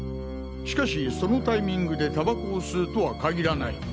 しかしそのタイミングでタバコを吸うとはかぎらない。